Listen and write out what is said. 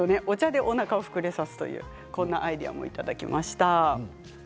お茶でおなかを膨れさせるというこんなアイデアもいただきました。